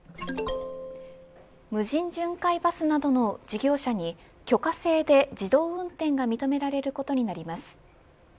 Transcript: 無人巡回バスなどの事業者に許可制で自動運転が認められることになります。